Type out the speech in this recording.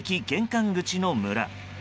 玄関口の村。